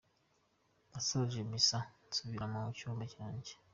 Nasoje misa, nsubira mu cyumba cyanjye.